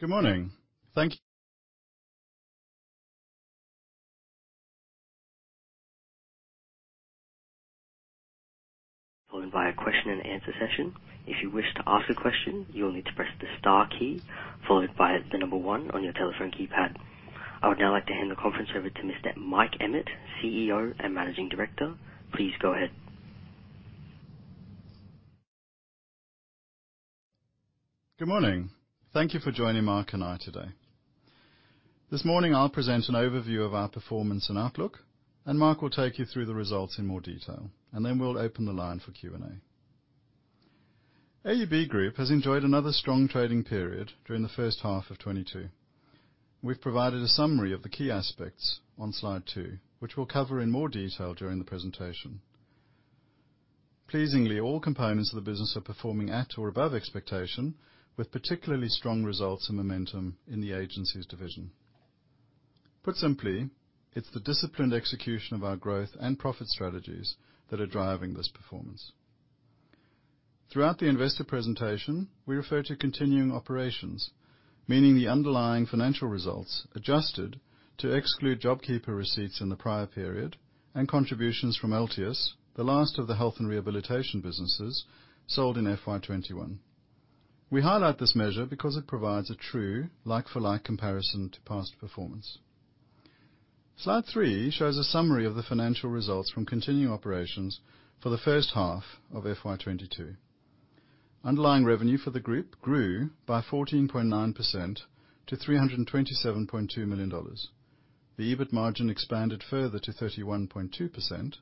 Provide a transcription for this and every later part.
Followed by a question-and-answer session. If you wish to ask a question, you will need to press the star key followed by the number one on your telephone keypad. I would now like to hand the conference over to Mr. Mike Emmett, CEO and Managing Director. Please go ahead. Good morning. Thank you for joining Mark and I today. This morning I'll present an overview of our performance and outlook, and Mark will take you through the results in more detail, and then we'll open the line for Q&A. AUB Group has enjoyed another strong trading period during the first half of 2022. We've provided a summary of the key aspects on slide two, which we'll cover in more detail during the presentation. Pleasingly, all components of the business are performing at or above expectation, with particularly strong results and momentum in the agencies division. Put simply, it's the disciplined execution of our growth and profit strategies that are driving this performance. Throughout the investor presentation, we refer to continuing operations, meaning the underlying financial results adjusted to exclude JobKeeper receipts in the prior period and contributions from Altius, the last of the health and rehabilitation businesses sold in FY 2021. We highlight this measure because it provides a true like for like comparison to past performance. Slide three shows a summary of the financial results from continuing operations for the first half of FY 2022. Underlying revenue for the group grew by 14.9% to 327.2 million dollars. The EBIT margin expanded further to 31.2%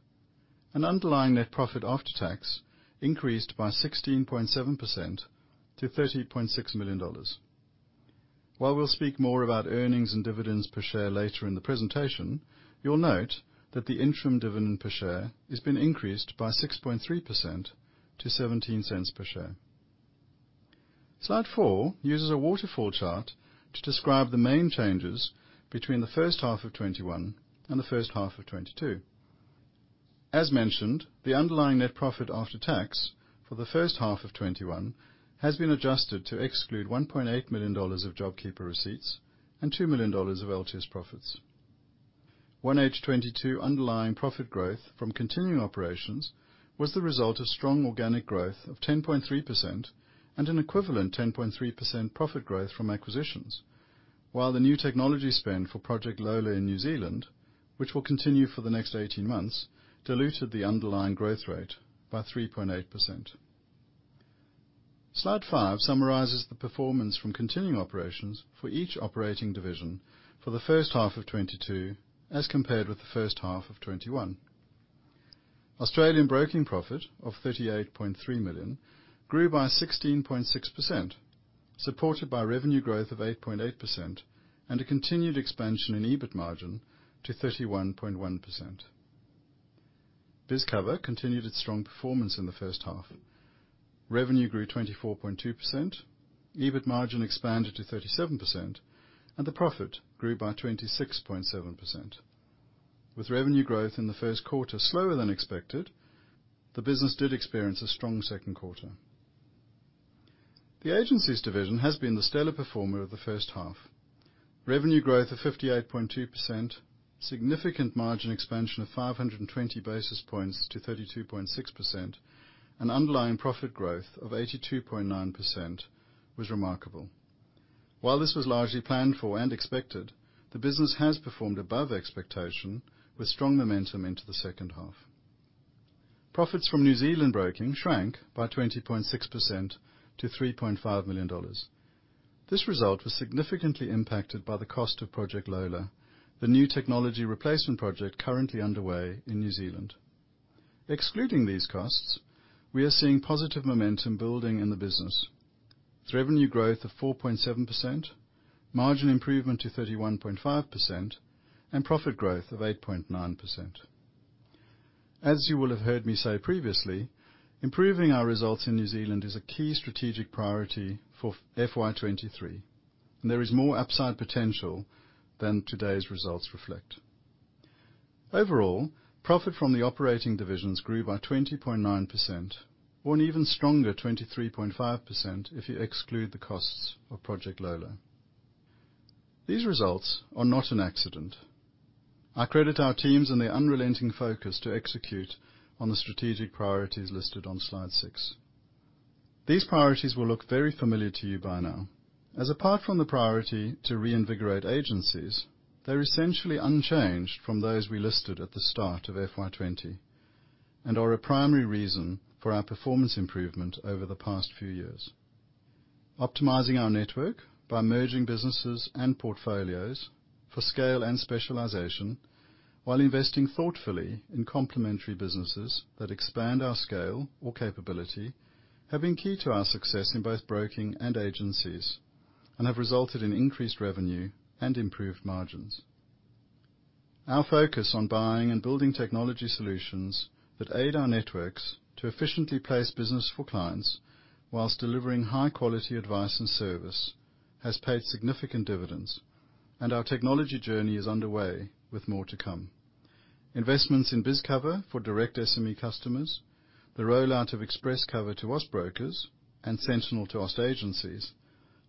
and underlying net profit after tax increased by 16.7% to AUD 30.6 million. While we'll speak more about earnings and dividends per share later in the presentation, you'll note that the interim dividend per share has been increased by 6.3% to 0.17 per share. Slide four uses a waterfall chart to describe the main changes between the first half of 2021 and the first half of 2022. As mentioned, the underlying net profit after tax for the first half of 2021 has been adjusted to exclude 1.8 million dollars of JobKeeper receipts and 2 million dollars of Altius profits. 1H 2022 underlying profit growth from continuing operations was the result of strong organic growth of 10.3% and an equivalent 10.3% profit growth from acquisitions. While the new technology spend for Project Lola in New Zealand, which will continue for the next 18 months, diluted the underlying growth rate by 3.8%. Slide five summarizes the performance from continuing operations for each operating division for the first half of 2022, as compared with the first half of 2021. Australian broking profit of 38.3 million grew by 16.6%, supported by revenue growth of 8.8% and a continued expansion in EBIT margin to 31.1%. BizCover continued its strong performance in the first half. Revenue grew 24.2%, EBIT margin expanded to 37% and the profit grew by 26.7%. With revenue growth in the first quarter slower than expected, the business did experience a strong second quarter. The agencies division has been the stellar performer of the first half. Revenue growth of 58.2%, significant margin expansion of 520 basis points to 32.6%, and underlying profit growth of 82.9% was remarkable. While this was largely planned for and expected, the business has performed above expectation with strong momentum into the second half. Profits from New Zealand Broking shrank by 20.6% to 3.5 million dollars. This result was significantly impacted by the cost of Project Lola, the new technology replacement project currently underway in New Zealand. Excluding these costs, we are seeing positive momentum building in the business. With revenue growth of 4.7%, margin improvement to 31.5%, and profit growth of 8.9%. As you will have heard me say previously, improving our results in New Zealand is a key strategic priority for FY 2023, and there is more upside potential than today's results reflect. Overall profit from the operating divisions grew by 20.9% or an even stronger 23.5% if you exclude the costs of Project Lola. These results are not an accident. I credit our teams and their unrelenting focus to execute on the strategic priorities listed on slide six. These priorities will look very familiar to you by now as apart from the priority to reinvigorate agencies, they're essentially unchanged from those we listed at the start of FY 2020 and are a primary reason for our performance improvement over the past few years. Optimizing our network by merging businesses and portfolios for scale and specialization, while investing thoughtfully in complementary businesses that expand our scale or capability, have been key to our success in both broking and agencies, and have resulted in increased revenue and improved margins. Our focus on buying and building technology solutions that aid our networks to efficiently place business for clients while delivering high-quality advice and service, has paid significant dividends. Our technology journey is underway with more to come. Investments in BizCover for direct SME customers, the rollout of ExpressCover to Austbrokers and Sentinel to Austagencies,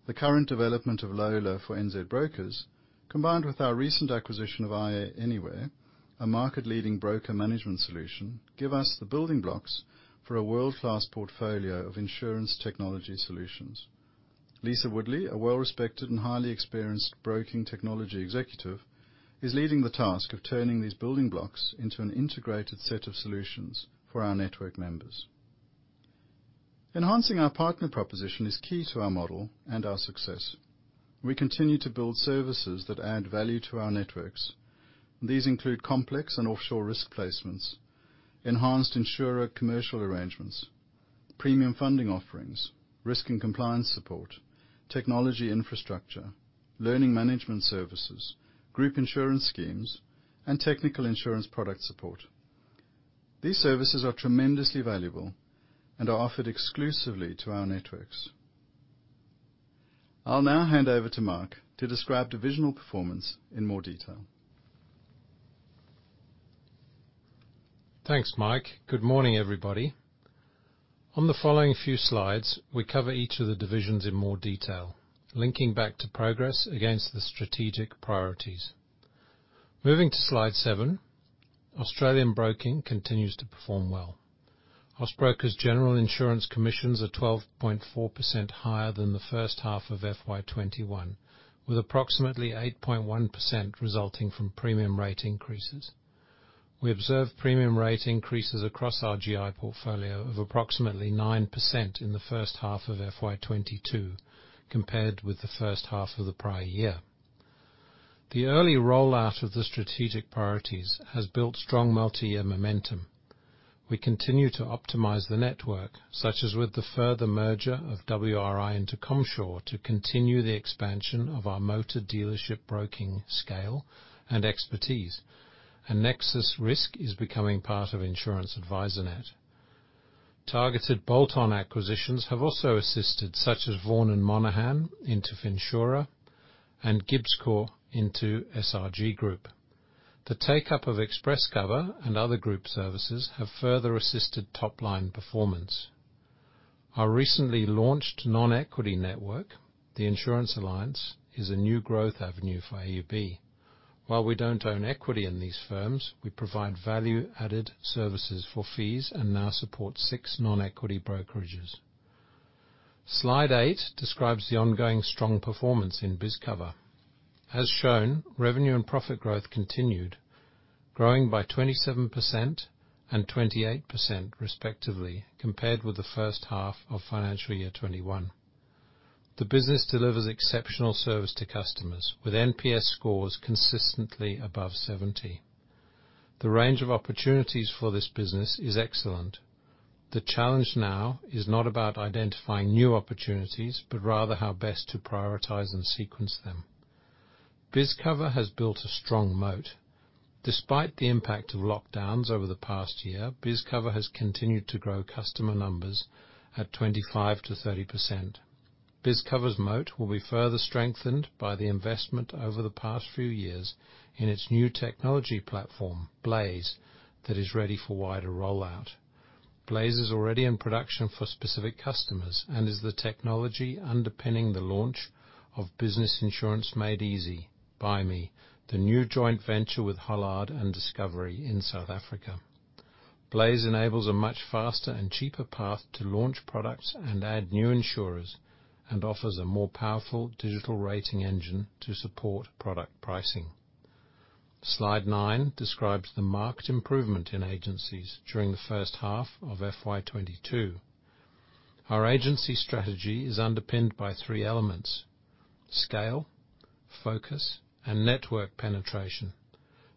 the current development of Lola for NZbrokers, combined with our recent acquisition of IA Anywhere, a market-leading broker management solution, give us the building blocks for a world-class portfolio of insurance technology solutions. Lisa Woodley, a well-respected and highly experienced Broking Technology Executive, is leading the task of turning these building blocks into an integrated set of solutions for our network members. Enhancing our partner proposition is key to our model and our success. We continue to build services that add value to our networks. These include complex and offshore risk placements, enhanced insurer commercial arrangements, premium funding offerings, risk and compliance support, technology infrastructure, learning management services, group insurance schemes, and technical insurance product support. These services are tremendously valuable and are offered exclusively to our networks. I'll now hand over to Mark to describe divisional performance in more detail. Thanks, Mike. Good morning, everybody. On the following few slides, we cover each of the divisions in more detail, linking back to progress against the strategic priorities. Moving to slide seven, Australian Broking continues to perform well. Austbrokers' general insurance commissions are 12.4% higher than the first half of FY 2021, with approximately 8.1% resulting from premium rate increases. We observed premium rate increases across our GI portfolio of approximately 9% in the first half of FY 2022 compared with the first half of the prior year. The early rollout of the strategic priorities has built strong multi-year momentum. We continue to optimize the network, such as with the further merger of WRI into Comsure to continue the expansion of our motor dealership broking scale and expertise. Nexus Risk Services is becoming part of Insurance Advisernet. Targeted bolt-on acquisitions have also assisted, such as Vaughan & Monaghan into Finsura, and Gibbscorp into SRG Group. The take-up of ExpressCover and other group services have further assisted top-line performance. Our recently launched non-equity network, The Insurance Alliance, is a new growth avenue for AUB. While we don't own equity in these firms, we provide value-added services for fees and now support six non-equity brokerages. Slide eight describes the ongoing strong performance in BizCover. As shown, revenue and profit growth continued, growing by 27% and 28% respectively compared with the first half of FY 2021. The business delivers exceptional service to customers, with NPS scores consistently above 70. The range of opportunities for this business is excellent. The challenge now is not about identifying new opportunities, but rather how best to prioritize and sequence them. BizCover has built a strong moat. Despite the impact of lockdowns over the past year, BizCover has continued to grow customer numbers at 25%-30%. BizCover's moat will be further strengthened by the investment over the past few years in its new technology platform, Blaze, that is ready for wider rollout. Blaze is already in production for specific customers and is the technology underpinning the launch of Business Insurance Made Easy, Bi-me, the new joint venture with Hollard and Discovery in South Africa. Blaze enables a much faster and cheaper path to launch products and add new insurers and offers a more powerful digital rating engine to support product pricing. Slide nine describes the marked improvement in agencies during the first half of FY 2022. Our agency strategy is underpinned by three elements, scale, focus, and network penetration.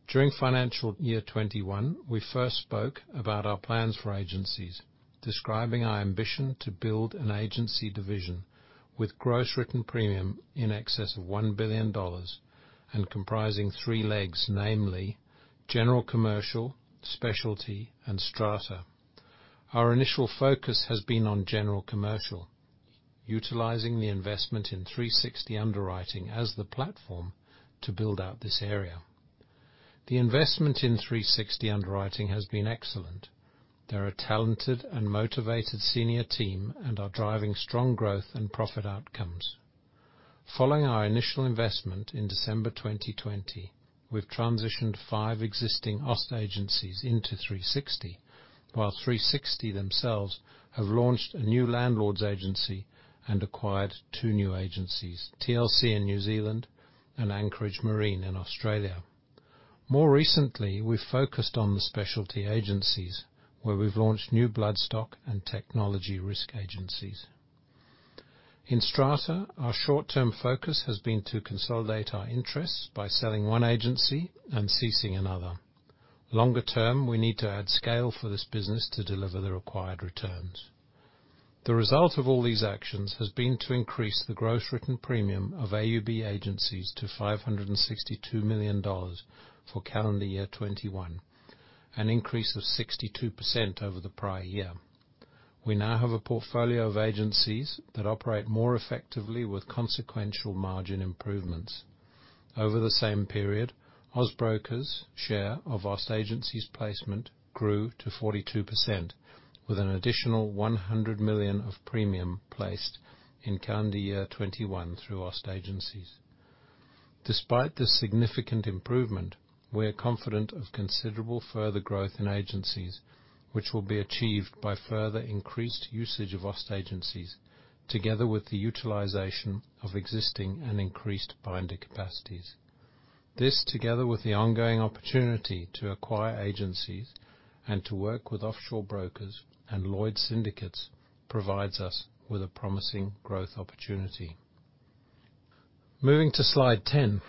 During financial year 2021, we first spoke about our plans for agencies, describing our ambition to build an agency division with GWP in excess of 1 billion dollars and comprising three legs, namely general commercial, specialty, and strata. Our initial focus has been on general commercial, utilizing the investment in 360 Underwriting as the platform to build out this area. The investment in 360 Underwriting has been excellent. They're a talented and motivated senior team and are driving strong growth and profit outcomes. Following our initial investment in December 2020, we've transitioned five existing Austagencies into 360 Underwriting, while 360 Underwriting themselves have launched a new landlords agency and acquired two new agencies, TLC Insurance in New Zealand and Anchorage Marine in Australia. More recently, we've focused on the specialty agencies, where we've launched new bloodstock and technology risk agencies. In Strata, our short-term focus has been to consolidate our interests by selling one agency and ceasing another. Longer term, we need to add scale for this business to deliver the required returns. The result of all these actions has been to increase the gross written premium of AUB agencies to 562 million dollars for calendar year 2021, an increase of 62% over the prior year. We now have a portfolio of agencies that operate more effectively with consequential margin improvements. Over the same period, Austbrokers' share of Austagencies placement grew to 42% with an additional 100 million of premium placed in calendar year 2021 through Austagencies. Despite this significant improvement, we are confident of considerable further growth in agencies which will be achieved by further increased usage of Austagencies together with the utilization of existing and increased binder capacities. This, together with the ongoing opportunity to acquire agencies and to work with offshore brokers and Lloyd's syndicates, provides us with a promising growth opportunity. Moving to slide 10.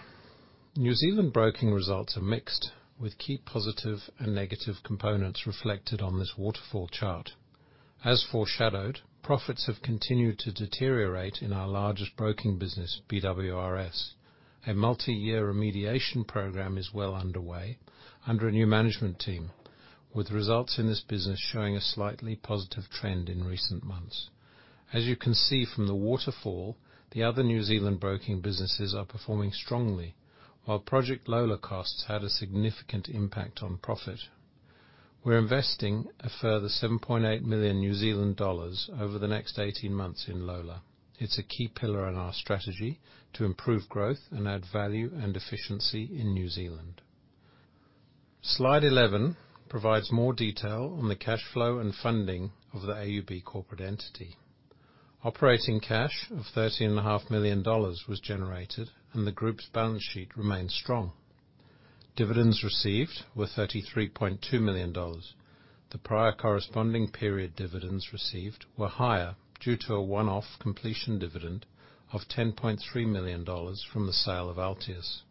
New Zealand broking results are mixed with key positive and negative components reflected on this waterfall chart. As foreshadowed, profits have continued to deteriorate in our largest broking business, BWRS. A multi-year remediation program is well underway under a new management team, with results in this business showing a slightly positive trend in recent months. As you can see from the waterfall, the other New Zealand broking businesses are performing strongly, while Project Lola costs had a significant impact on profit. We're investing a further 7.8 million New Zealand dollars over the next 18 months in Lola. It's a key pillar in our strategy to improve growth and add value and efficiency in New Zealand. Slide 11 provides more detail on the cash flow and funding of the AUB corporate entity. Operating cash of AUD 30.5 million was generated, and the group's balance sheet remained strong. Dividends received were 33.2 million dollars. The prior corresponding period dividends received were higher due to a one-off completion dividend of 10.3 million dollars from the sale of Altius.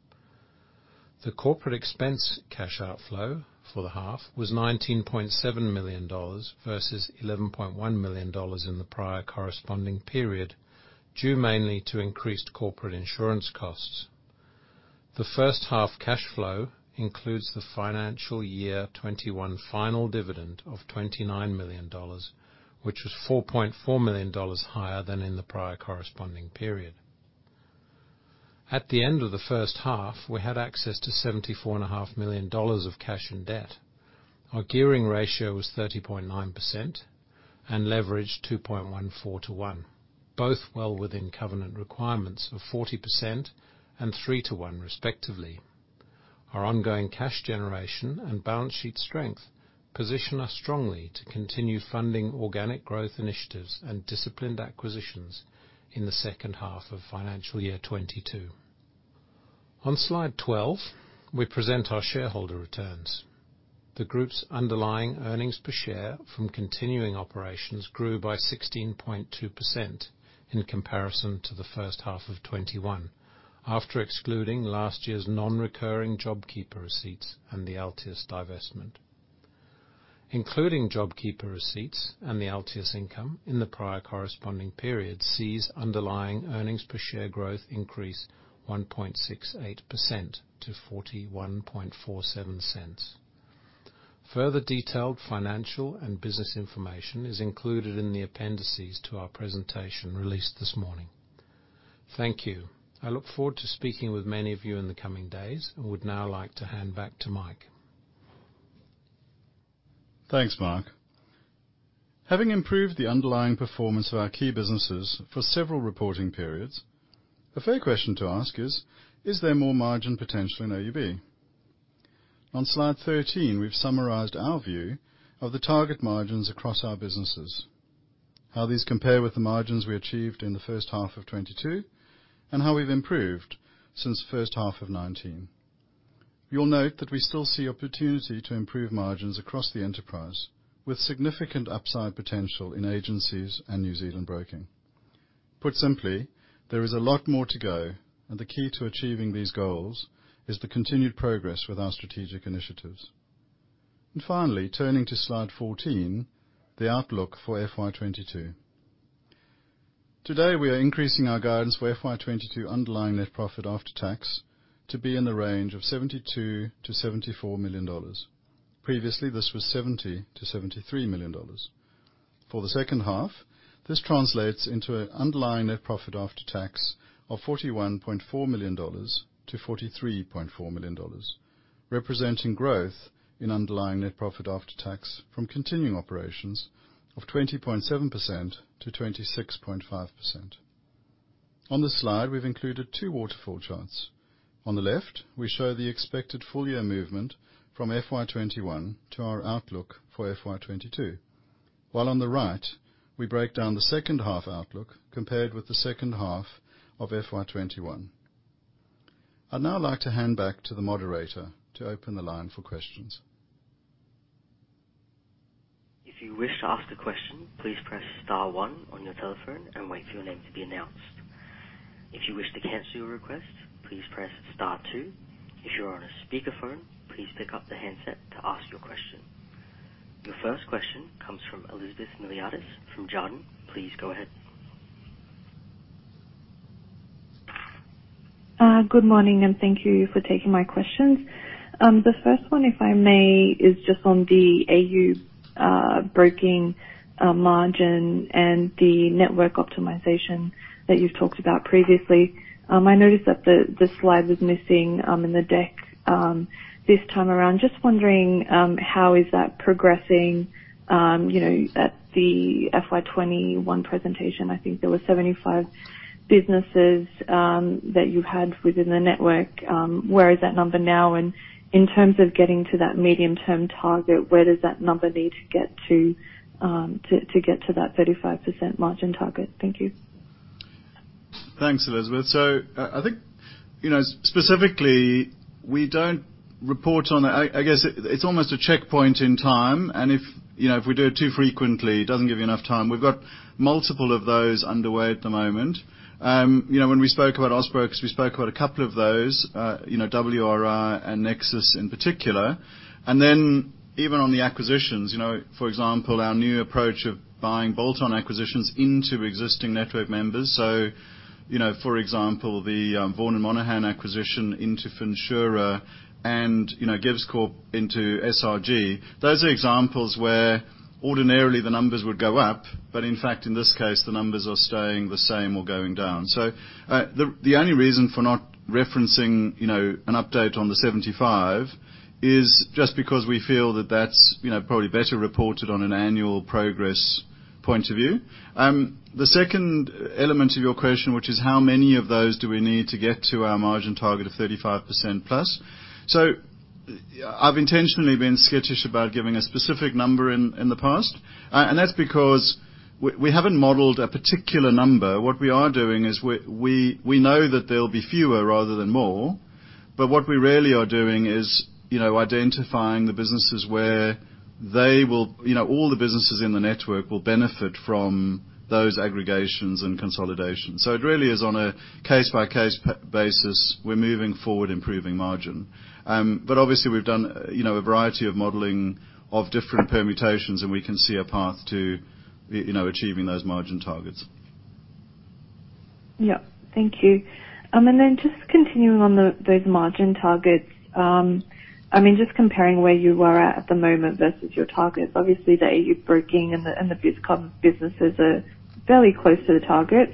The corporate expense cash outflow for the half was 19.7 million dollars versus 11.1 million dollars in the prior corresponding period, due mainly to increased corporate insurance costs. The first half cash flow includes the FY 2021 final dividend of 29 million dollars, which was 4.4 million dollars higher than in the prior corresponding period. At the end of the first half, we had access to 74.5 million dollars of cash and debt. Our gearing ratio was 30.9% and leverage 2.14 to one, both well within covenant requirements of 40% and three to one respectively. Our ongoing cash generation and balance sheet strength position us strongly to continue funding organic growth initiatives and disciplined acquisitions in the second half of financial year 2022. On slide 12, we present our shareholder returns. The group's underlying earnings per share from continuing operations grew by 16.2% in comparison to the first half of 2021, after excluding last year's non-recurring JobKeeper receipts and the Altius divestment, including JobKeeper receipts and the Altius income in the prior corresponding period sees underlying earnings per share growth increase 1.68% to 0.4147. Further detailed financial and business information is included in the appendices to our presentation released this morning. Thank you. I look forward to speaking with many of you in the coming days and would now like to hand back to Mike. Thanks, Mark. Having improved the underlying performance of our key businesses for several reporting periods, a fair question to ask is: Is there more margin potential in AUB? On slide 13, we've summarized our view of the target margins across our businesses, how these compare with the margins we achieved in the first half of 2022, and how we've improved since the first half of 2019. You'll note that we still see opportunity to improve margins across the enterprise with significant upside potential in agencies and New Zealand broking. Put simply, there is a lot more to go, and the key to achieving these goals is the continued progress with our strategic initiatives. Finally, turning to slide 14, the outlook for FY 2022. Today, we are increasing our guidance for FY 2022 underlying net profit after tax to be in the range of 72 million-74 million dollars. Previously, this was 70 million-73 million dollars. For the second half, this translates into an underlying net profit after tax of AUD 41.4 million-AUD 43.4 million, representing growth in underlying net profit after tax from continuing operations of 20.7%-26.5%. On this slide, we've included two waterfall charts. On the left, we show the expected full year movement from FY 2021 to our outlook for FY 2022. While on the right, we break down the second half outlook compared with the second half of FY 2021. I'd now like to hand back to the Moderator to open the line for questions. If you wish to ask a question, please press star one on your telephone and wait for your name to be announced. If you wish to cancel your request, please press star two. If you're on a speakerphone, please pick up the handset to ask your question. Your first question comes from Elizabeth Miliatis from Jarden. Please go ahead. Good morning, and thank you for taking my questions. The first one, if I may, is just on the AUB broking margin and the network optimization that you've talked about previously. I noticed that the slide was missing in the deck this time around. Just wondering, how is that progressing? You know, at the FY 2021 presentation, I think there were 75 businesses that you had within the network. Where is that number now? And in terms of getting to that medium-term target, where does that number need to get to to get to that 35% margin target? Thank you. Thanks, Elizabeth. I think, you know, specifically, we don't report on it. I guess it's almost a checkpoint in time, and if, you know, if we do it too frequently, it doesn't give you enough time. We've got multiple of those underway at the moment. You know, when we spoke about Austbrokers, we spoke about a couple of those, you know, WRI and Nexus in particular. Even on the acquisitions, you know, for example, our new approach of buying bolt-on acquisitions into existing network members. You know, for example, the Vaughan & Monaghan acquisition into Finsura and, you know, Gibbscorp into SRG. Those are examples where ordinarily the numbers would go up, but in fact, in this case, the numbers are staying the same or going down. The only reason for not referencing, you know, an update on the 75 is just because we feel that that's, you know, probably better reported on an annual progress point of view. The second element of your question, which is how many of those do we need to get to our margin target of 35%+? I've intentionally been sketchy about giving a specific number in the past, and that's because we haven't modeled a particular number. What we are doing is we know that there'll be fewer rather than more. What we really are doing is, you know, identifying the businesses where they will. You know, all the businesses in the network will benefit from those aggregations and consolidations. It really is on a case-by-case basis, we're moving forward, improving margin. Obviously, we've done, you know, a variety of modeling of different permutations, and we can see a path to you know, achieving those margin targets. Yeah. Thank you. Then just continuing on those margin targets, I mean, just comparing where you are at the moment versus your targets. Obviously, the AUB broking and the BizCover businesses are fairly close to the targets,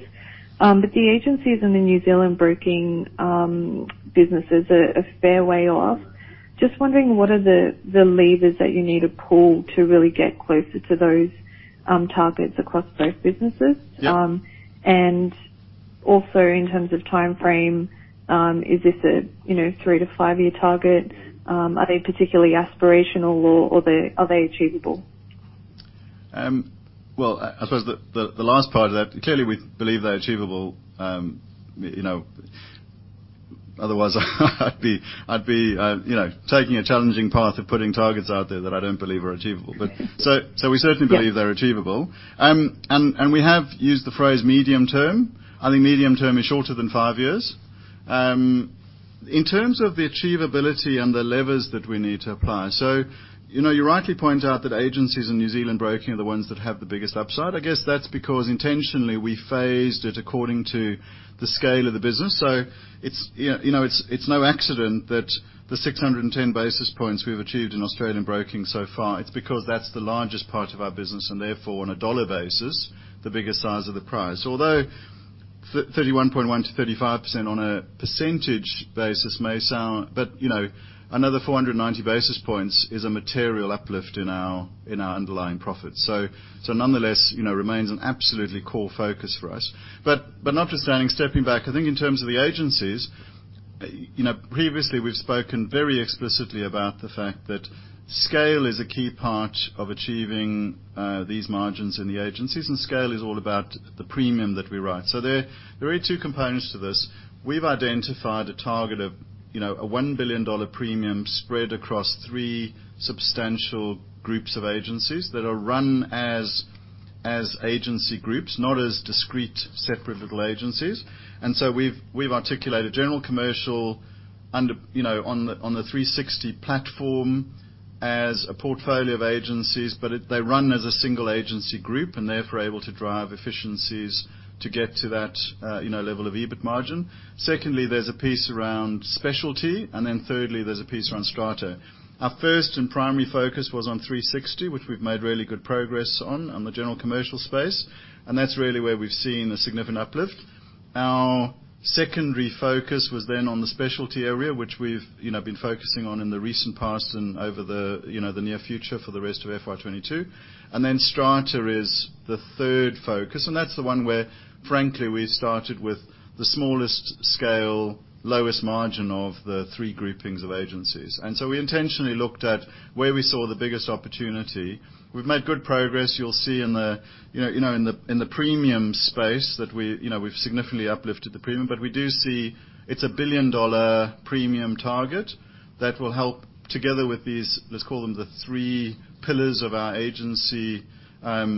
but the agencies in the New Zealand broking businesses are a fair way off. Just wondering, what are the levers that you need to pull to really get closer to those targets across both businesses? Yeah. Also, in terms of timeframe, is this a, you know, three-to-five-year target? Are they particularly aspirational or are they achievable? Well, I suppose the last part of that, clearly, we believe they're achievable. You know, otherwise I'd be taking a challenging path of putting targets out there that I don't believe are achievable. We certainly believe they're achievable. We have used the phrase medium term. I think medium term is shorter than five years in terms of the achievability and the levers that we need to apply. You know, you rightly point out that agencies in New Zealand broking are the ones that have the biggest upside. I guess that's because intentionally, we phased it according to the scale of the business. It's no accident that the 610 basis points we've achieved in Australian broking so far. It's because that's the largest part of our business and therefore on a dollar basis, the biggest size of the price. Although thirty-one point one to thirty-five percent on a percentage basis may sound. But you know, another 490 basis points is a material uplift in our underlying profits. Nonetheless, you know, remains an absolutely core focus for us. But notwithstanding, stepping back, I think in terms of the agencies, you know, previously we've spoken very explicitly about the fact that scale is a key part of achieving these margins in the agencies, and scale is all about the premium that we write. There are two components to this. We've identified a target of, you know, 1 billion dollar premium spread across three substantial groups of agencies that are run as agency groups, not as discrete, separate little agencies. We've articulated general commercial 360 platform as a portfolio of agencies, they run as a single agency group and therefore able to drive efficiencies to get to that level of EBIT margin. Secondly, there's a piece around specialty. Thirdly, there's a piece around strata. Our first and primary focus was on 360, which we've made really good progress on the general commercial space, and that's really where we've seen a significant uplift. Our secondary focus was then on the specialty area, which we've, you know, been focusing on in the recent past and over the, you know, the near future for the rest of FY 2022. Then strata is the third focus, and that's the one where, frankly, we started with the smallest scale, lowest margin of the three groupings of agencies. We intentionally looked at where we saw the biggest opportunity. We've made good progress. You'll see in the, you know, in the premium space that we, you know, we've significantly uplifted the premium. We do see it's a billion-dollar premium target that will help together with these, let's call them the three pillars of our agency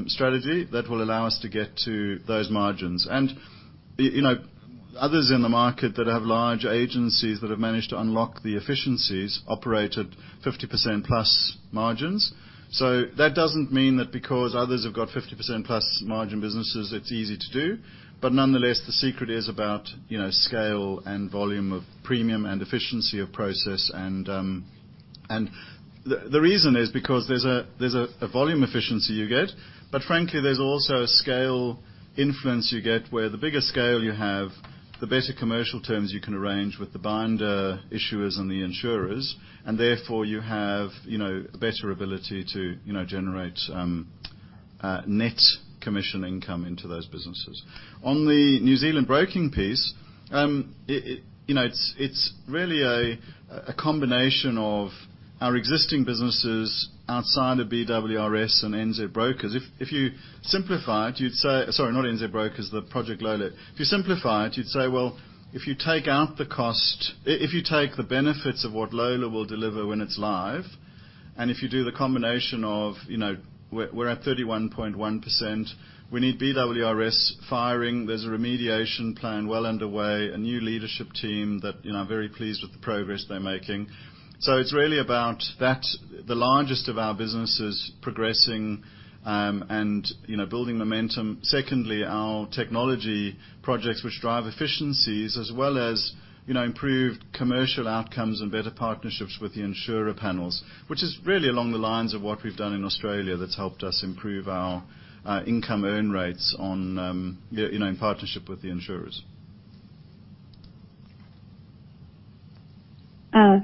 strategy that will allow us to get to those margins. You know, others in the market that have large agencies that have managed to unlock the efficiencies operate at 50%+ margins. That doesn't mean that because others have got 50%+ margin businesses, it's easy to do. Nonetheless, the secret is about, you know, scale and volume of premium and efficiency of process. The reason is because there's a volume efficiency you get. Frankly, there's also a scale influence you get, where the bigger scale you have, the better commercial terms you can arrange with the binder issuers and the insurers, and therefore you have, you know, better ability to, you know, generate net commission income into those businesses. On the New Zealand broking piece. You know, it's really a combination of our existing businesses outside of BWRS and NZbrokers. If you simplify it, you'd say, sorry, not NZbrokers, Project Lola. If you simplify it, you'd say, if you take the benefits of what Lola will deliver when it's live, and if you do the combination of, you know, we're at 31.1%, we need BWRS firing. There's a remediation plan well underway, a new leadership team that, you know, very pleased with the progress they're making. It's really about that, the largest of our businesses progressing, and, you know, building momentum. Secondly, our technology projects which drive efficiencies as well as, you know, improved commercial outcomes and better partnerships with the insurer panels, which is really along the lines of what we've done in Australia that's helped us improve our income earn rates on, you know, in partnership with the insurers.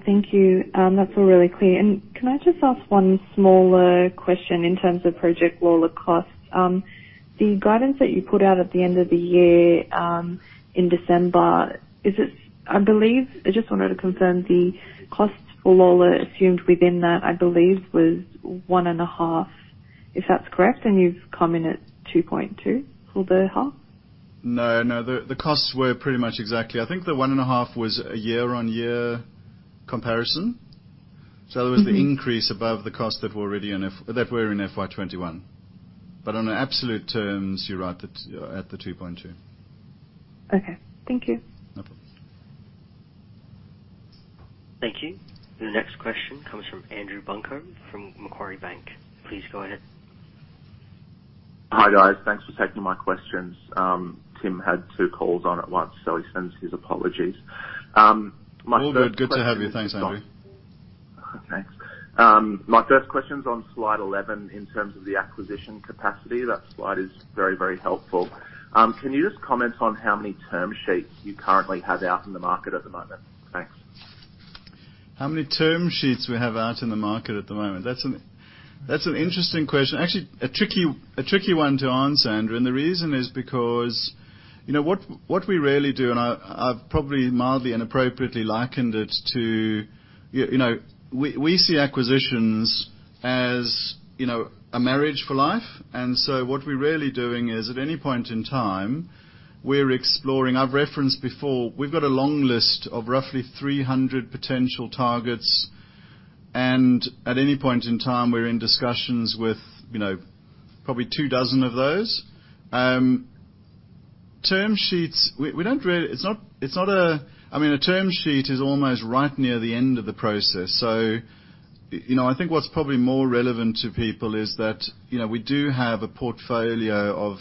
Thank you. That's all really clear. Can I just ask one smaller question in terms of Project Lola costs? The guidance that you put out at the end of the year, in December, I believe. I just wanted to confirm the costs for Lola assumed within that, I believe, was 1.5, if that's correct, and you've come in at 2.2 for the half. No, no. The costs were pretty much exactly. I think the 1.5 was a year-on-year comparison. Mm-hmm. That was the increase above the cost that were already in FY 2021. But on absolute terms, you're right at the 2.2. Okay. Thank you. No problem. Thank you. The next question comes from Andrew Buncombe from Macquarie Group. Please go ahead. Hi, guys. Thanks for taking my questions. Tim had two calls on at once, so he sends his apologies. My first question. All good. Good to have you. Thanks, Andrew. Okay. My first question's on slide 11 in terms of the acquisition capacity. That slide is very, very helpful. Can you just comment on how many term sheets you currently have out in the market at the moment? Thanks. How many term sheets we have out in the market at the moment? That's an interesting question. Actually, a tricky one to answer, Andrew, and the reason is because, you know, what we rarely do, and I've probably mildly inappropriately likened it to. You know, we see acquisitions as, you know, a marriage for life. What we're really doing is at any point in time, we're exploring. I've referenced before, we've got a long list of roughly 300 potential targets, and at any point in time, we're in discussions with, you know, probably 24 of those. Term sheets, we don't really. It's not a. I mean, a term sheet is almost right near the end of the process. You know, I think what's probably more relevant to people is that, you know, we do have a portfolio of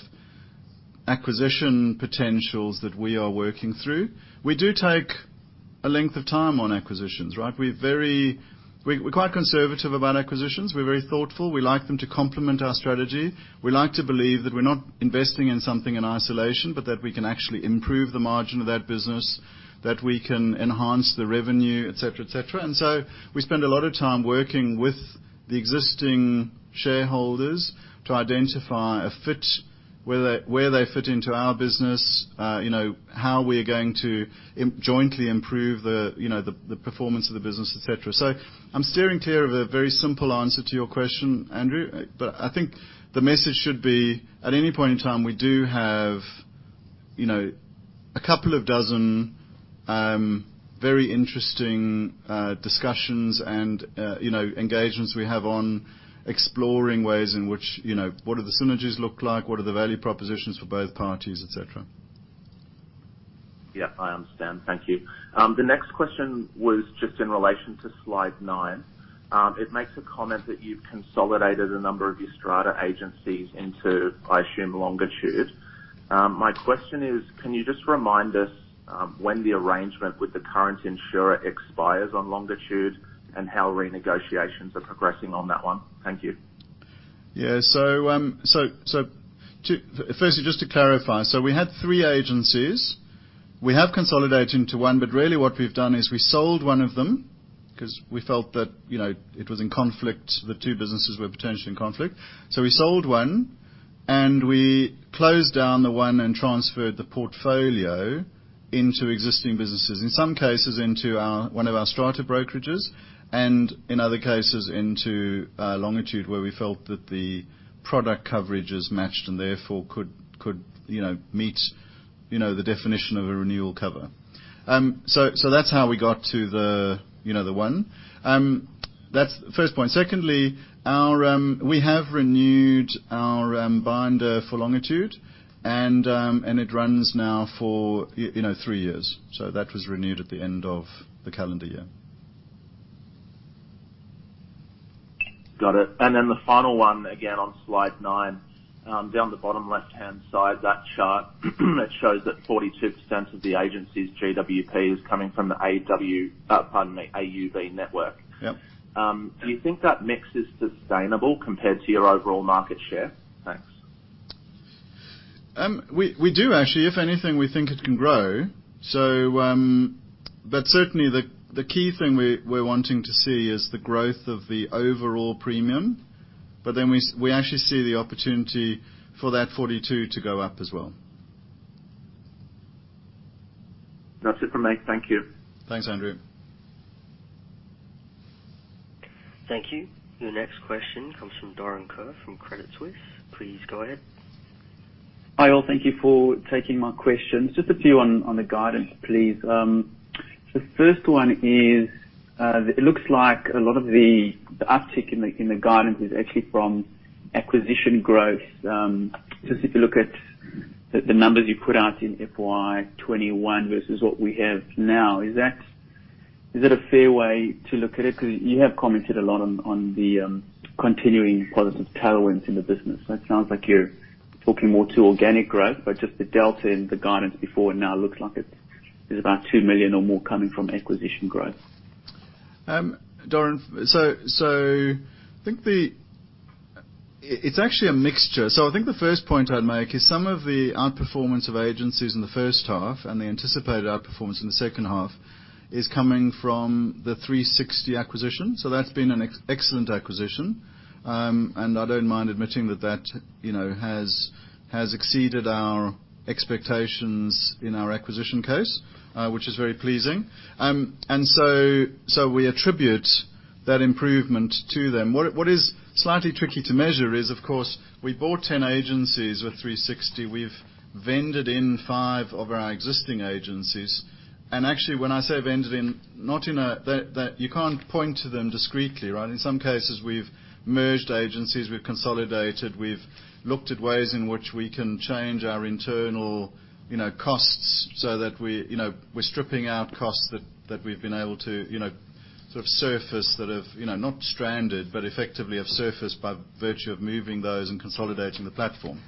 acquisition potentials that we are working through. We do take a length of time on acquisitions, right? We're quite conservative about acquisitions. We're very thoughtful. We like them to complement our strategy. We like to believe that we're not investing in something in isolation, but that we can actually improve the margin of that business, that we can enhance the revenue, et cetera, et cetera. We spend a lot of time working with the existing shareholders to identify a fit where they fit into our business, you know, how we're going to jointly improve, you know, the performance of the business, et cetera. I'm steering clear of a very simple answer to your question, Andrew. I think the message should be, at any point in time, we do have, you know, a couple of dozen, very interesting, discussions and, you know, engagements we have on exploring ways in which, you know, what do the synergies look like, what are the value propositions for both parties, et cetera. Yeah, I understand. Thank you. The next question was just in relation to slide nine. It makes a comment that you've consolidated a number of your strata agencies into, I assume, Longitude. My question is, can you just remind us, when the arrangement with the current insurer expires on Longitude and how renegotiations are progressing on that one? Thank you. Firstly, just to clarify, we had three agencies. We have consolidated into one, but really what we've done is we sold one of them because we felt that, you know, it was in conflict. The two businesses were potentially in conflict. We sold one, and we closed down the one and transferred the portfolio into existing businesses. In some cases, into one of our strata brokerages, and in other cases, into Longitude, where we felt that the product coverage is matched and therefore could, you know, meet the definition of a renewal cover. That's how we got to the one. That's first point. Secondly, we have renewed our binder for Longitude, and it runs now for, you know, three years. That was renewed at the end of the calendar year. Got it. The final one again on slide nine. Down the bottom left-hand side, that chart that shows that 42% of the agency's GWP is coming from the AUB network. Yep. Do you think that mix is sustainable compared to your overall market share? Thanks. We do actually. If anything, we think it can grow. Certainly, the key thing we're wanting to see is the growth of the overall premium, but then we actually see the opportunity for that 42 to go up as well. That's it from me. Thank you. Thanks, Andrew. Thank you. Your next question comes from Doron Kur from Credit Suisse. Please go ahead. Hi, all. Thank you for taking my questions. Just a few on the guidance, please. The first one is, it looks like a lot of the uptick in the guidance is actually from acquisition growth. Just if you look at the numbers you put out in FY 2021 versus what we have now. Is it a fair way to look at it? 'Cause you have commented a lot on the continuing positive tailwinds in the business. So, it sounds like you're talking more to organic growth, but just the delta in the guidance before now looks like it's about 2 million or more coming from acquisition growth. Doron, it's actually a mixture. I think the first point I'd make is some of the outperformance of agencies in the first half and the anticipated outperformance in the second half is coming from the 360 acquisition. That's been an excellent acquisition. I don't mind admitting that, you know, has exceeded our expectations in our acquisition case, which is very pleasing. We attribute that improvement to them. What is slightly tricky to measure is, of course, we bought 10 agencies with 360. We've vended in five of our existing agencies. Actually, when I say vended in, that you can't point to them discreetly, right? In some cases, we've merged agencies, we've consolidated, we've looked at ways in which we can change our internal, you know, costs so that we, you know, we're stripping out costs that we've been able to, you know, sort of surface that have, you know, not stranded, but effectively have surfaced by virtue of moving those and consolidating the platform.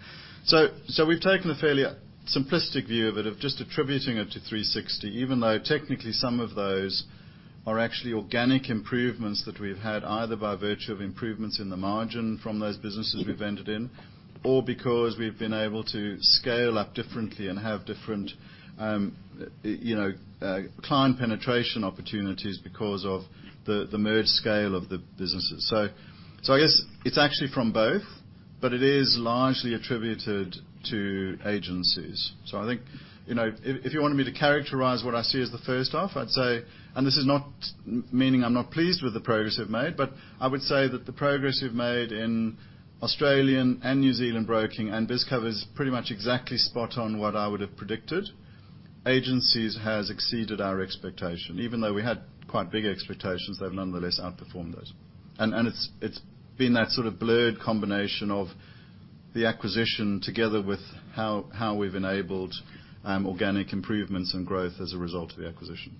So we've taken a fairly simplistic view of it, of just attributing it to 360, even though technically some of those are actually organic improvements that we've had, either by virtue of improvements in the margin from those businesses we've bedded in, or because we've been able to scale up differently and have different, you know, client penetration opportunities because of the merged scale of the businesses. So, I guess it's actually from both, but it is largely attributed to agencies. I think, you know, if you wanted me to characterize what I see as the first half, I'd say. This is not meaning I'm not pleased with the progress we've made, but I would say that the progress we've made in Australian and New Zealand broking and BizCover is pretty much exactly spot on what I would have predicted. Austagencies has exceeded our expectation. Even though we had quite big expectations, they've nonetheless outperformed those. It's been that sort of blurred combination of the acquisition together with how we've enabled organic improvements and growth as a result of the acquisition.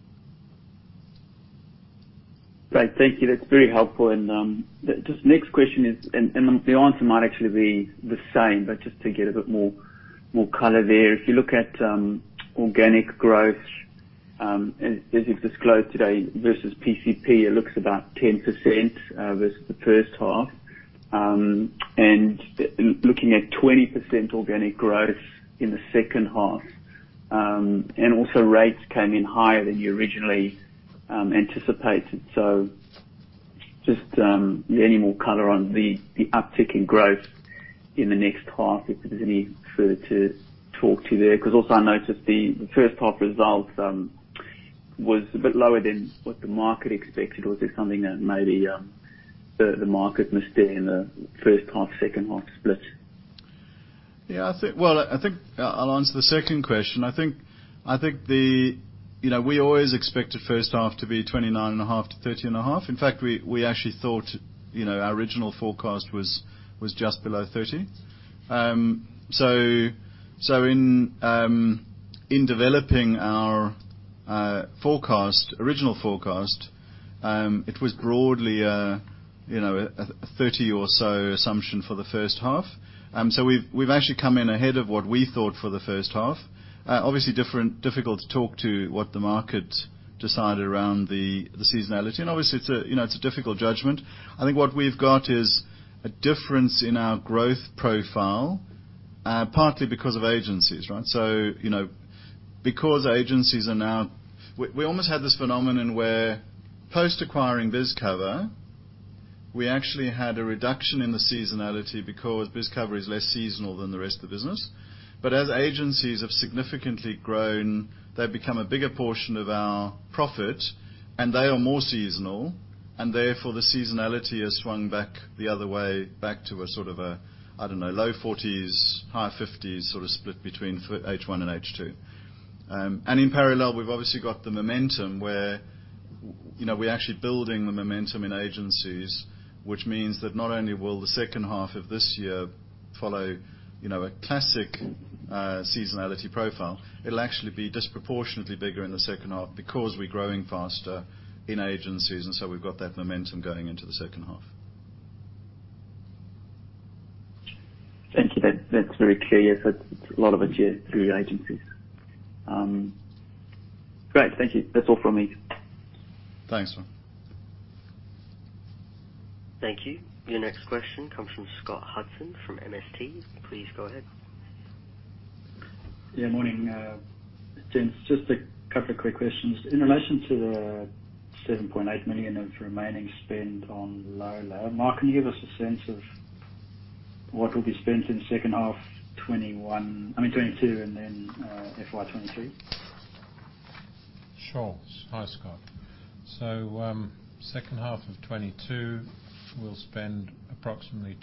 Great. Thank you. That's very helpful. Just next question is, and the answer might actually be the same, but just to get a bit more color there. If you look at organic growth as you've disclosed today versus PCP, it looks about 10% versus the first half, and looking at 20% organic growth in the second half. Also, rates came in higher than you originally anticipated. Just any more color on the uptick in growth in the next half, if there's any further to talk to there? 'Cause also I noticed the first half results was a bit lower than what the market expected. Was there something that maybe the market missed there in the first half, second half split? Yeah, I think. Well, I think I'll answer the second question. I think. You know, we always expect the first half to be 29.5%-30.5%. In fact, we actually thought, you know, our original forecast was just below 30%. So, in developing our original forecast, it was broadly a, you know, a 30 or so assumption for the first half. So, we've actually come in ahead of what we thought for the first half. Obviously, it's difficult to talk about what the market decided around the seasonality. Obviously, it's a, you know, it's a difficult judgment. I think what we've got is a difference in our growth profile, partly because of agencies, right? So, you know, because agencies are now... We almost had this phenomenon where post acquiring BizCover, we actually had a reduction in the seasonality because BizCover is less seasonal than the rest of the business. As agencies have significantly grown, they've become a bigger portion of our profit, and they are more seasonal, and therefore the seasonality has swung back the other way, back to a sort of, I don't know, low-40s%, high-50s% sort of split between H1 and H2. In parallel, we've obviously got the momentum where, you know, we're actually building the momentum in agencies, which means that not only will the second half of this year follow, you know, a classic seasonality profile, it'll actually be disproportionately bigger in the second half because we're growing faster in agencies, and so we've got that momentum going into the second half. Thank you. That's very clear. Yes, that's a lot of it, yeah, through agencies. Great. Thank you. That's all from me. Thanks, Doron Kur. Thank you. Your next question comes from Scott Hudson from MST. Please go ahead. Morning, gents. Just a couple of quick questions. In relation to the 7.8 million of remaining spend on Lola, Mark, can you give us a sense of what will be spent in the second half 2021, I mean 2022 and then FY 2023? Sure. Hi, Scott. Second half of 2022, we'll spend approximately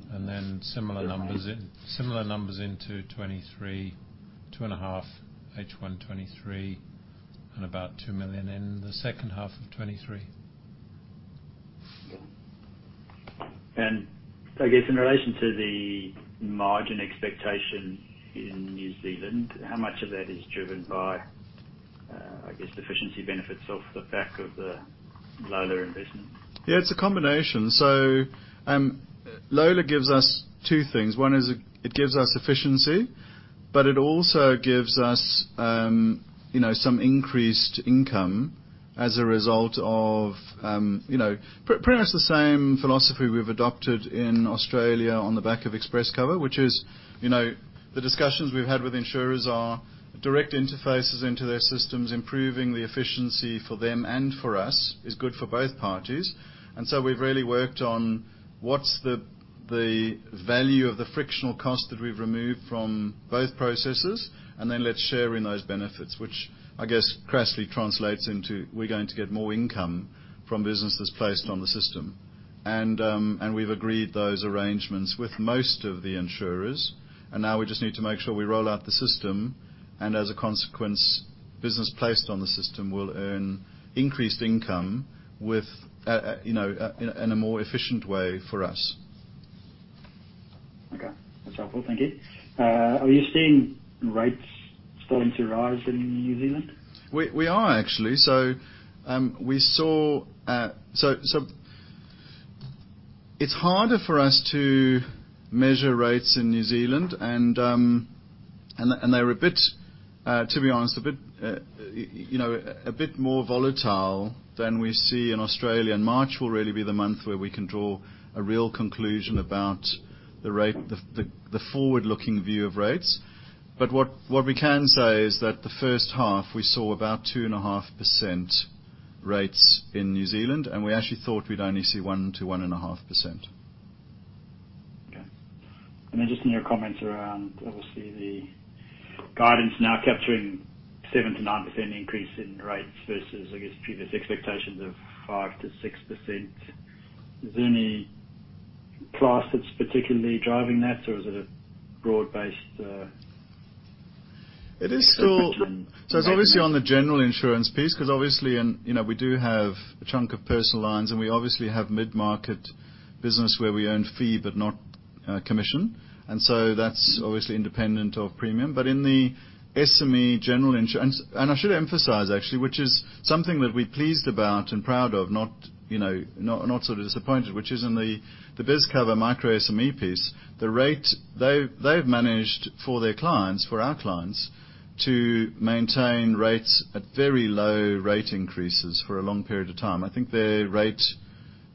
AUD two and a half million, then similar numbers in- Okay. Similar numbers into 2023, 2.5 million in H1 2023, and about 2 million in the second half of 2023. Yeah. I guess in relation to the margin expectation in New Zealand, how much of that is driven by, I guess, efficiency benefits off the back of the Lola investment? Yeah, it's a combination. Lola gives us two things. One is it gives us efficiency, but it also gives us, you know, some increased income as a result of, you know, pretty much the same philosophy we've adopted in Australia on the back of ExpressCover, which is, you know, the discussions we've had with insurers are direct interfaces into their systems, improving the efficiency for them and for us is good for both parties. We've really worked on what's the value of the frictional cost that we've removed from both processes, and then let's share in those benefits, which I guess crassly translates into we're going to get more income from businesses placed on the system. We've agreed those arrangements with most of the insurers, and now we just need to make sure we roll out the system, and as a consequence, business placed on the system will earn increased income with, you know, in a more efficient way for us. Okay. That's helpful. Thank you. Are you seeing rates starting to rise in New Zealand? We are actually. It's harder for us to measure rates in New Zealand, and they're a bit, to be honest, you know, a bit more volatile than we see in Australia. March will really be the month where we can draw a real conclusion about the rate, the forward-looking view of rates. What we can say is that the first half, we saw about 2.5% rates in New Zealand, and we actually thought we'd only see 1%-1.5%. Okay. Just in your comments around, obviously, the guidance now capturing 7%-9% increase in rates versus, I guess, previous expectations of 5%-6%, is there any class that's particularly driving that or is it a broad-based? It's obviously on the general insurance piece, 'cause obviously in you know, we do have a chunk of personal lines, and we obviously have mid-market business where we earn fee but not commission. That's obviously independent of premium. But in the SME general insurance I should emphasize actually, which is something that we're pleased about and proud of not, you know, not sort of disappointed, which is in the BizCover micro-SME piece, the rate they've managed for their clients, for our clients, to maintain rates at very low rate increases for a long period of time. I think their rate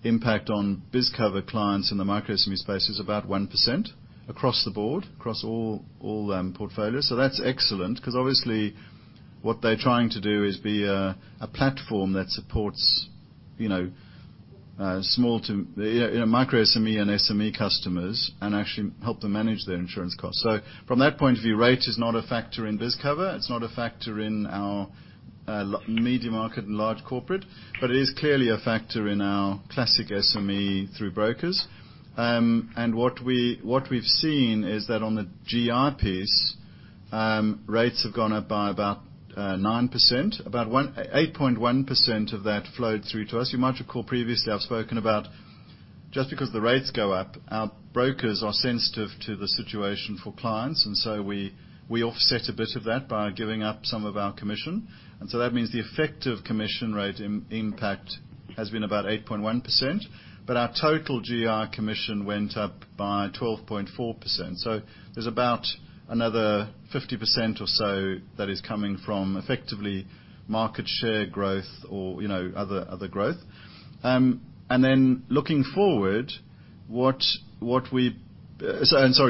impact on BizCover clients in the micro-SME space is about 1% across the board, across all portfolios. That's excellent because obviously what they're trying to do is be a platform that supports, you know, small to micro-SME and SME customers and actually help them manage their insurance costs. From that point of view, rate is not a factor in BizCover. It's not a factor in our medium market and large corporate, but it is clearly a factor in our classic SME through brokers. And what we've seen is that on the GI piece, rates have gone up by about 9%, about 8.1% of that flowed through to us. You might recall previously I've spoken about just because the rates go up, our brokers are sensitive to the situation for clients and so we offset a bit of that by giving up some of our commission. That means the effective commission rate impact has been about 8.1%, but our total GI commission went up by 12.4%. There's about another 50% or so that is coming from effectively market share growth or, you know, other growth. Sorry,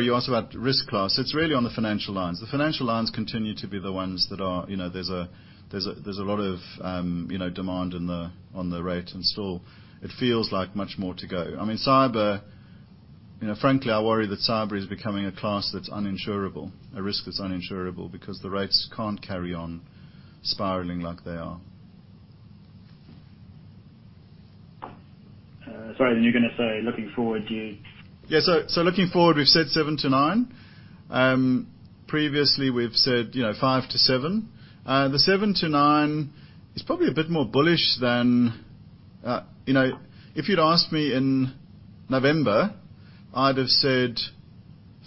you asked about risk class. It's really on the financial lines. The financial lines continue to be the ones that are, you know, there's a lot of, you know, demand on the rate, and still, it feels like much more to go. I mean, Cyber, you know, frankly, I worry that Cyber is becoming a class that's uninsurable, a risk that's uninsurable because the rates can't carry on spiraling like they are. Sorry, you're gonna say looking forward, you- Looking forward, we've said 7%-9%. Previously, we've said, you know, 5%-7%. The 7%-9% is probably a bit more bullish than you know. If you'd asked me in November, I'd have said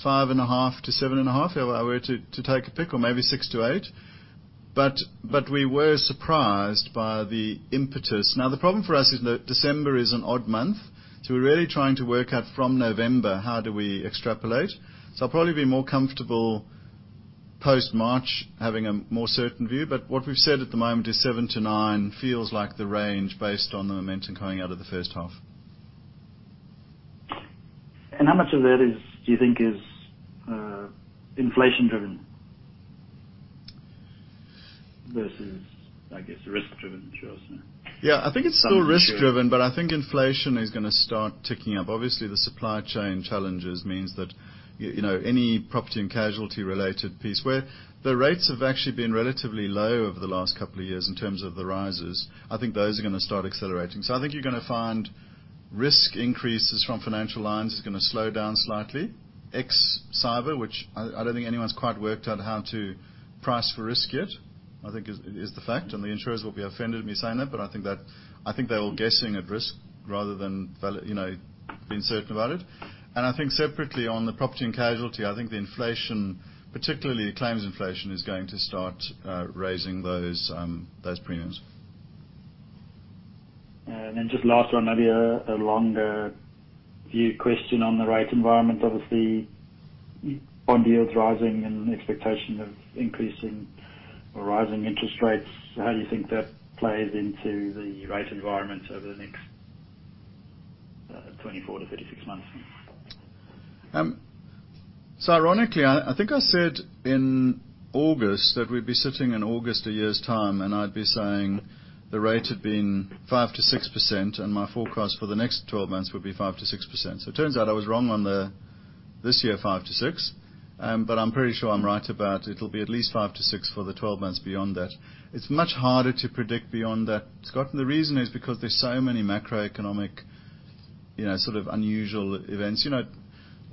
5.5%-7.5% if I were to take a pick or maybe 6%-8%. We were surprised by the impetus. Now, the problem for us is that December is an odd month, so we're really trying to work out from November, how do we extrapolate. I'll probably be more comfortable post-March having a more certain view. What we've said at the moment is 7%-9% feels like the range based on the momentum coming out of the first half. How much of that do you think is inflation driven versus, I guess, risk driven insurance? Yeah. I think it's still risk driven, but I think inflation is gonna start ticking up. Obviously, the supply chain challenges means that you know, any property and casualty related piece where the rates have actually been relatively low over the last couple of years in terms of the rises, I think those are gonna start accelerating. I think you're gonna find risk increases from financial lines is gonna slow down slightly. [Ex] Cyber, which I don't think anyone's quite worked out how to price for risk yet, I think is the fact, and the insurers will be offended at me saying that, but I think that I think they're all guessing at risk rather than valid you know, being certain about it. I think separately on the property and casualty, I think the inflation, particularly claims inflation, is going to start raising those premiums. Just last one, maybe a longer view question on the rate environment. Obviously, bond yields rising and expectation of increasing or rising interest rates, how do you think that plays into the rate environment over the next 24-36 months? Ironically, I think I said in August that we'd be sitting in August a year's time, and I'd be saying the rate had been 5%-6%, and my forecast for the next 12 months would be 5%-6%. It turns out I was wrong on this year's 5%-6%. I'm pretty sure I'm right about it'll be at least 5%-6% for the 12 months beyond that. It's much harder to predict beyond that, Scott, and the reason is because there's so many macroeconomic, you know, sort of unusual event s. You know,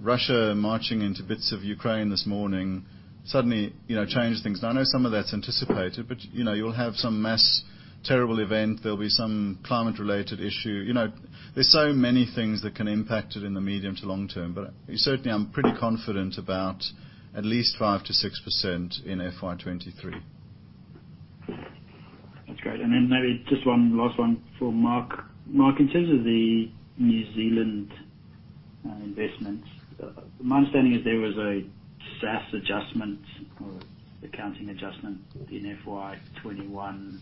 Russia marching into bits of Ukraine this morning suddenly, you know, changed things. Now I know some of that's anticipated, but, you know, you'll have some massive terrible event. There'll be some climate related issue. You know, there's so many things that can impact it in the medium to long term, but certainly I'm pretty confident about at least 5%-6% in FY 2023. That's great. Maybe just one last one for Mark. Mark, in terms of the New Zealand investments, my understanding is there was a SaaS adjustment or accounting adjustment in FY 2021.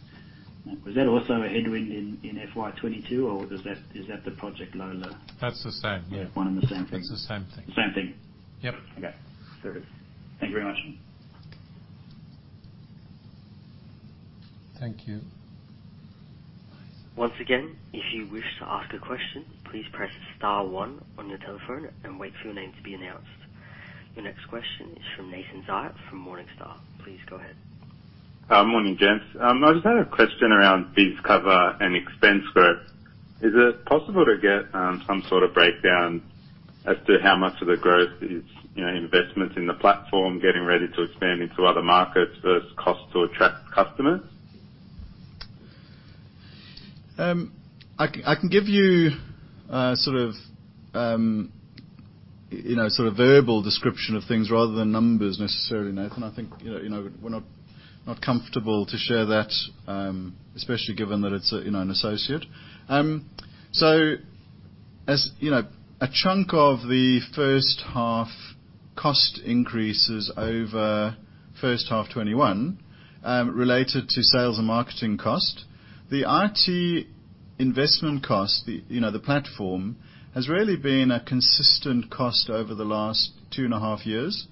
Was that also a headwind in FY 2022, or is that the Project Lola? That's the same. Yeah. One and the same thing. It's the same thing. Same thing. Yep. Okay. Fair enough. Thank you very much. Thank you. Once again, if you wish to ask a question, please press star one on your telephone and wait for your name to be announced. The next question is from Nathan Zaia from Morningstar. Please go ahead. Hi. Morning, gents. I just had a question around BizCover and expense growth. Is it possible to get some sort of breakdown as to how much of the growth is investments in the platform getting ready to expand into other markets versus cost to attract customers? I can give you, sort of, you know, sort of verbal description of things rather than numbers necessarily, Nathan. I think, you know, we're not comfortable to share that, especially given that it's a, you know, an associate. A chunk of the first half cost increases over first half 2021 related to sales and marketing cost. The IT investment cost, you know, the platform, has really been a consistent cost over the last 2.5 years.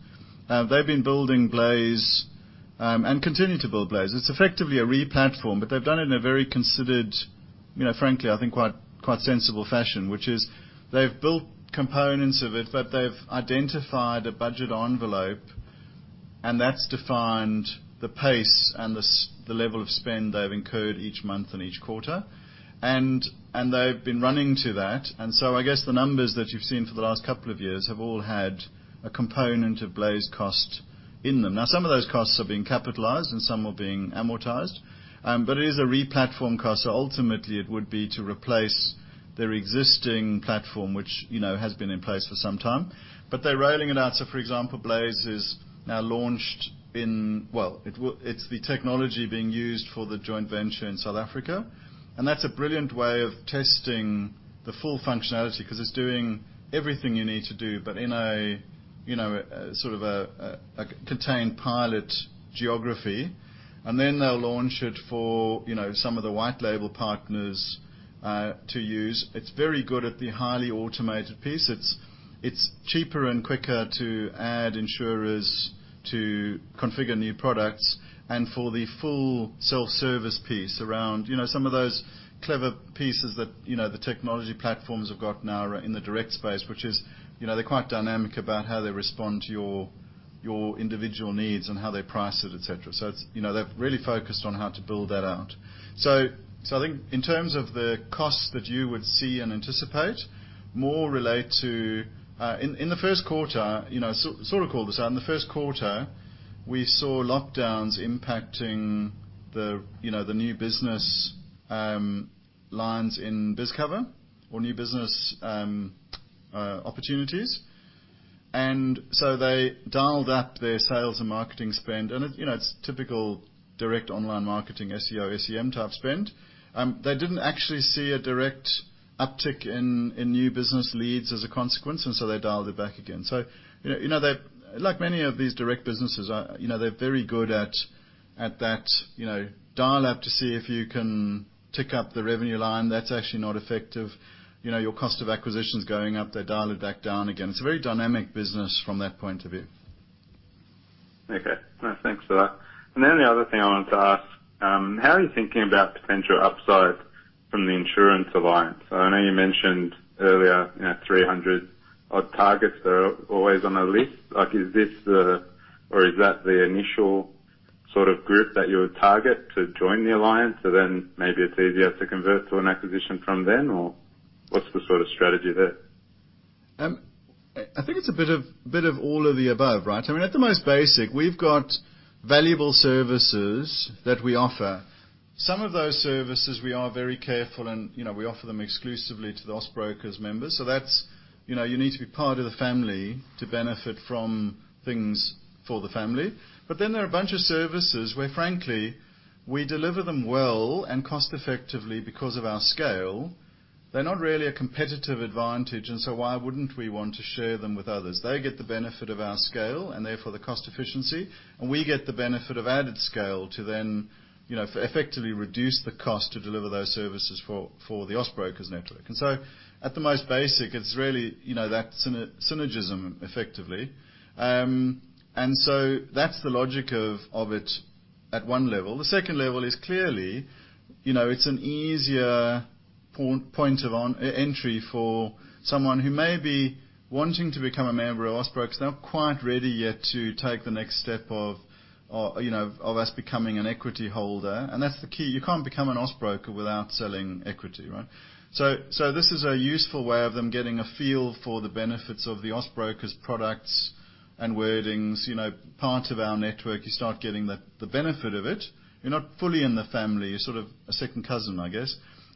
They've been building Blaze and continue to build Blaze. It's effectively a replatform, but they've done it in a very considered, you know, frankly, I think quite sensible fashion, which is they've built components of it, but they've identified a budget envelope, and that's defined the pace and the level of spend they've incurred each month and each quarter. They've been running to that. I guess the numbers that you've seen for the last couple of years have all had a component of Blaze cost in them. Some of those costs are being capitalized, and some are being amortized. It is a replatform cost, so ultimately it would be to replace their existing platform, which, you know, has been in place for some time. They're rolling it out so, for example, Blaze is now launched in. Well, it's the technology being used for the joint venture in South Africa, and that's a brilliant way of testing the full functionality because it's doing everything you need to do, but in a, you know, sort of a contained pilot geography, and then they'll launch it for, you know, some of the white label partners to use. It's very good at the highly automated piece. It's cheaper and quicker to add insurers to configure new products and for the full self-service piece around, you know, some of those clever pieces that, you know, the technology platforms have got now are in the direct space, which is, you know, they're quite dynamic about how they respond to your individual needs and how they price it, et cetera. It's, you know, they've really focused on how to build that out. I think in terms of the costs that you would see and anticipate, more relate to. In the first quarter, you know, sort of call this out. In the first quarter, we saw lockdowns impacting the, you know, the new business lines in BizCover or new business opportunities. They dialed up their sales and marketing spend, and it, you know, its typical direct online marketing, SEO, SEM type spend. They didn't actually see a direct uptick in new business leads as a consequence, and they dialed it back again. You know, they like many of these direct businesses, you know, they're very good at that, you know, dial up to see if you can tick up the revenue line that's actually not effective. You know, your cost of acquisition is going up, they dial it back down again. It's a very dynamic business from that point of view. Okay. No, thanks for that. The other thing I wanted to ask, how are you thinking about potential upside from the Insurance Alliance? I know you mentioned earlier, you know, 300 odd targets that are always on a list. Like, is this the, or is that the initial sort of group that you would target to join the alliance so then maybe it's easier to convert to an acquisition from then, or what's the sort of strategy there? I think it's a bit of all of the above, right? I mean, at the most basic, we've got valuable services that we offer. Some of those services, we are very careful and, you know, we offer them exclusively to the Austbrokers members. So that's, you know, you need to be part of the family to benefit from things for the family. But then there are a bunch of services where, frankly, we deliver them well and cost effectively because of our scale. They're not really a competitive advantage, and so why wouldn't we want to share them with others? They get the benefit of our scale, and therefore the cost efficiency, and we get the benefit of added scale to then, you know, effectively reduce the cost to deliver those services for the Austbrokers network. At the most basic, it's really, you know, that synergism effectively. That's the logic of it at one level. The second level is clearly, you know, it's an easier point of entry for someone who may be wanting to become a member of Austbrokers. They're not quite ready yet to take the next step of us becoming an equity holder. That's the key. You can't become an Austbrokers without selling equity, right? This is a useful way of them getting a feel for the benefits of the Austbrokers products and wordings. Part of our network, you start getting the benefit of it. You're not fully in the family. You're sort of a second cousin, I guess.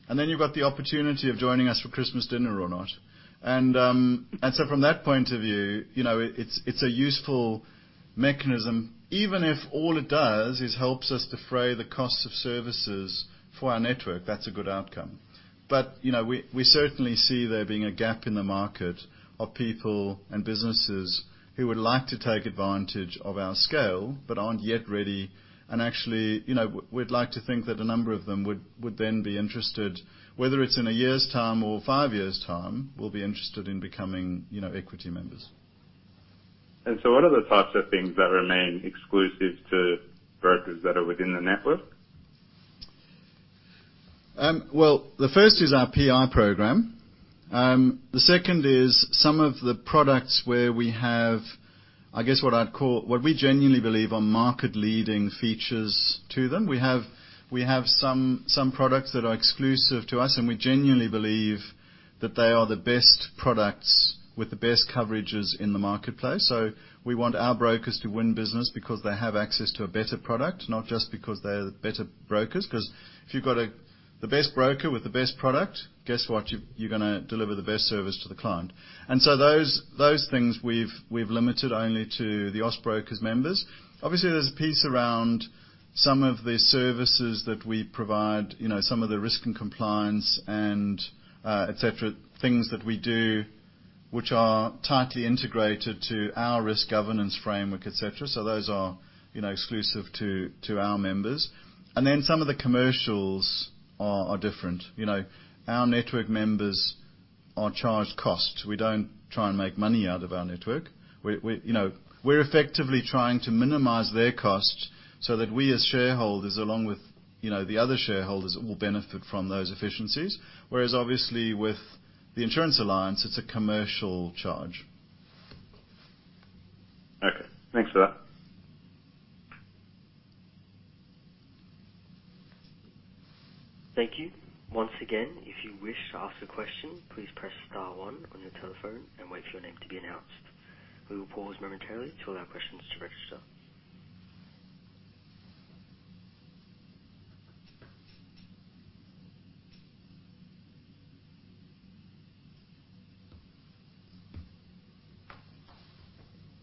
You've got the opportunity of joining us for Christmas dinner or not. From that point of view, you know, it's a useful mechanism. Even if all it does is helps us defray the costs of services for our network, that's a good outcome. You know, we certainly see there being a gap in the market of people and businesses who would like to take advantage of our scale but aren't yet ready. Actually, you know, we'd like to think that a number of them would then be interested. Whether it's in a year's time or five years' time, they will be interested in becoming, you know, equity members. What are the types of things that remain exclusive to brokers that are within the network? Well, the first is our PI program. The second is some of the products where we have, I guess, what we genuinely believe are market-leading features to them. We have some products that are exclusive to us, and we genuinely believe that they are the best products with the best coverages in the marketplace. We want our brokers to win business because they have access to a better product, not just because they're the better brokers. 'Cause if you've got the best broker with the best product, guess what? You're gonna deliver the best service to the client. Those things we've limited only to the Austbrokers members. Obviously, there's a piece around some of the services that we provide, you know, some of the risk and compliance and, et cetera, things that we do which are tightly integrated to our risk governance framework, et cetera. Those are, you know, exclusive to our members. Some of the commercials are different. You know, our network members are charged costs. We don't try and make money out of our network. You know, we're effectively trying to minimize their costs so that we as shareholders, along with, you know, the other shareholders, will benefit from those efficiencies. Whereas obviously with The Insurance Alliance, it's a commercial charge. Okay. Thanks for that. Thank you. Once again, if you wish to ask a question, please press star one on your telephone and wait for your name to be announced. We will pause momentarily to allow questions to register.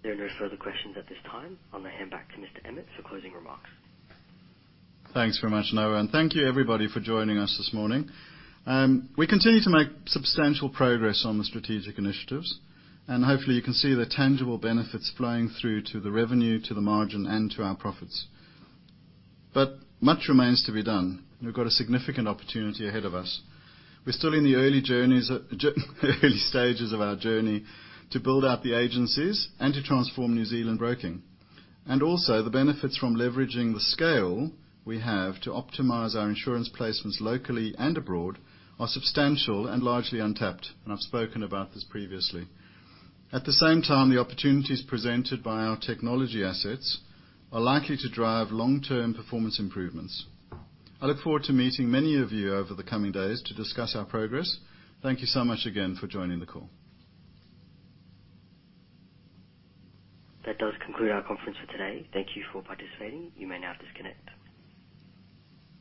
There are no further questions at this time. I'll hand back to Mr. Emmett for closing remarks. Thanks very much, Noah, and thank you, everybody, for joining us this morning. We continue to make substantial progress on the strategic initiatives, and hopefully, you can see the tangible benefits flowing through to the revenue, to the margin, and to our profits. Much remains to be done. We've got a significant opportunity ahead of us. We're still in the early stages of our journey to build out the agencies and to transform New Zealand broking. The benefits from leveraging the scale we have to optimize our insurance placements locally and abroad are substantial and largely untapped, and I've spoken about this previously. At the same time, the opportunities presented by our technology assets are likely to drive long-term performance improvements. I look forward to meeting many of you over the coming days to discuss our progress. Thank you so much again for joining the call. That does conclude our conference for today. Thank you for participating. You may now disconnect.